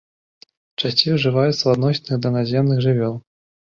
Часцей ужываецца ў адносінах да наземных жывёл.